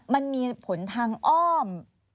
มันมีผลทางอ้อม